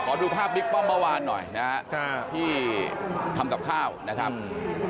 ดูภาพบิ๊กป้อมเมื่อวานหน่อยนะครับที่ทำกับข้าวนะครับ